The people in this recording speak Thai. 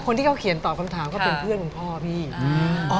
คนที่เขาเขียนตอบคำถามก็เป็นเพื่อนคุณพ่อพี่